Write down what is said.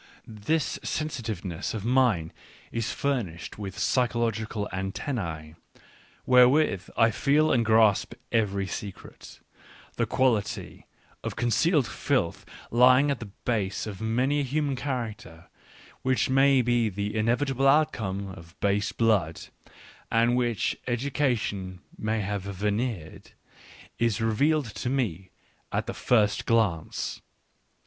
... This sensi L tiveness of mine is furnished with psychological antennae, wherewith I feel and grasp every secret : the quality of concealed filth lying at the base of many a human character which may be the in evitable outcome of base blood, and which education may have veneered, is revealed to me at the first glance.